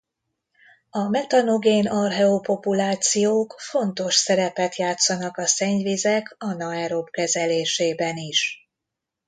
A metanogén archea-populációk fontos szerepet játszanak a szennyvizek anaerob kezelésében is.